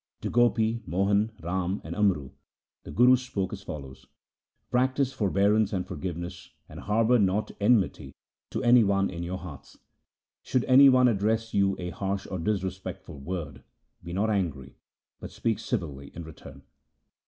To Gopi, Mohan, Rama, and Amru, the Guru spoke as follows :' Practise forbearance and forgiveness, and harbour not enmity to any one in your hearts. Should any one address you a harsh or disrespectful word, be not angry, but speak civilly in return.'